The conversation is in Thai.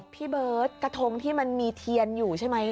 พี่เบิร์ตกระทงที่มันมีเทียนอยู่ใช่ไหม